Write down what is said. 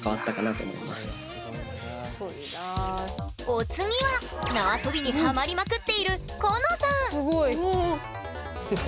お次はなわとびにハマりまくっているこのさんすごい！